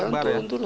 pasti turun terus